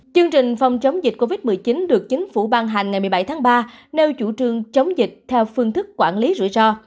chương trình phòng chống dịch covid một mươi chín được chính phủ ban hành ngày một mươi bảy tháng ba nêu chủ trương chống dịch theo phương thức quản lý rủi ro